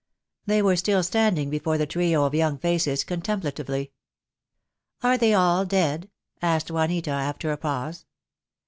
They were still standing before the trio of young faces contemplatively. "Are they all dead?" asked Juanita, after a pause.